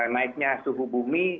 naiknya suhu bumi